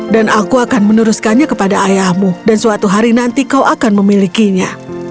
dan aku akan meneruskannya kepada ayahmu dan suatu hari nanti kau akan memilikinya